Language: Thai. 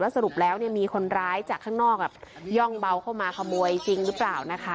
สรุปแล้วมีคนร้ายจากข้างนอกย่องเบาเข้ามาขโมยจริงหรือเปล่านะคะ